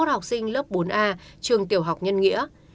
ba mươi một học sinh lớp bốn a trường tiểu học nhân nghĩa